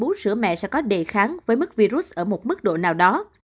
trẻ được bú sữa mẹ sẽ có đề kháng với mức virus ở một mức độ nào đó